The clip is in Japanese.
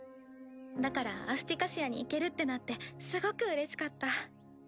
だからアスティカシアに行けるってなってすごくうれしかった。